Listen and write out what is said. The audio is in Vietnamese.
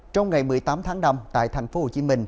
trong ngày một mươi tám tháng năm tại tp hcm